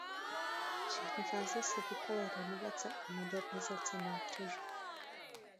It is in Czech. Všechny fáze se týkaly renovace a modernizace nábřeží.